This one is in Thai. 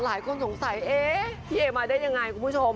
หลายคนสงสัยเอ๊ะพี่เอมาได้ยังไงคุณผู้ชม